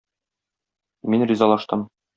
Мин ризалаштым.